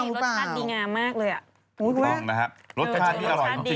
มีเหลือสวยไม่ขาวหรือเปล่ารู้สึกพ้อมากเลยอ่ะอืม